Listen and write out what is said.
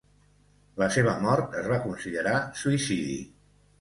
La seva mort es va considerar suïcidi.